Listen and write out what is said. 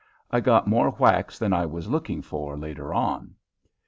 I got more whacks than I was looking for later on.